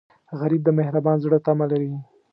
غریب د مهربان زړه تمه لري